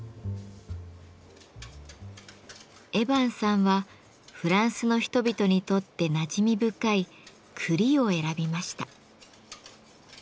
エヴァンさんはフランスの人々にとってなじみ深い「栗」を選びました。